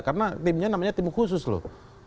karena timnya namanya tim khusus loh